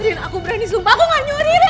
rin aku berani sumpah aku gak nyuri rin